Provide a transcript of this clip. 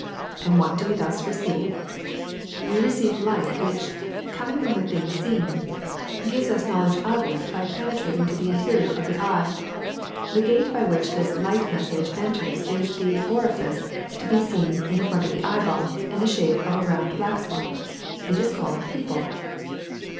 *^ And what do we thus receive ? We receive light which, coming from the thing seen, gives us knowl 376 LIGHT 377 edge of it by penetrating to the interior of the eye. The gate by which this light message enters is the orifice to be seen in the front of the eyeball in the shape of a round black spot. It is called the pupil.